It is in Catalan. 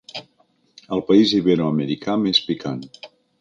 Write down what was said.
El país iberoamericà més picant.